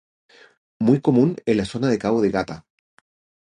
Muy común en la zona de Cabo de Gata.